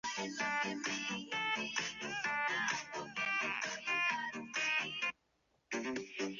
特里普与一些耶鲁大学的富有同学投资了一间名为殖民空运的航空公司。